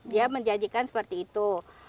dia menjanjikan seperti itu